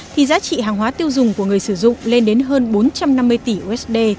thì giá trị hàng hóa tiêu dùng của người sử dụng lên đến hơn bốn trăm năm mươi tỷ usd